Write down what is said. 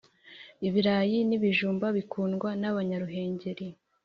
Ibirayi n’ibijumba bikundwa nabanyaruhengeri